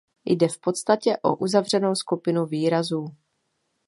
Jde v podstatě o uzavřenou skupinu výrazů.